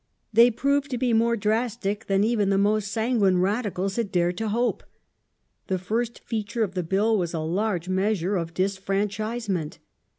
They proved to be more drastic than even the most sanguine Radicals had dared to hope. The first feature of the Bill was a large measure of disfranchisement.